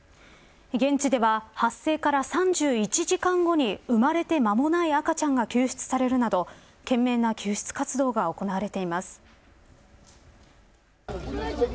現地では発生から３１時間後に生まれて間もない赤ちゃんが救出されるなど懸命な救出活動が行われています。